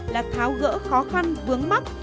là thảo gỡ khó găn vướng mắt